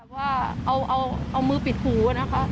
ว่าเอามือกระปรากฏนะคะ